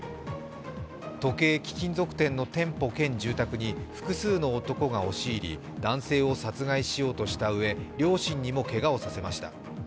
時計・貴金属店の店舗兼住宅に複数の男が押し入り男性を殺害しようとしたうえ、両親にもけがをさせました。